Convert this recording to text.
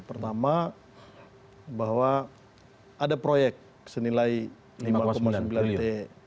pertama bahwa ada proyek senilai lima sembilan t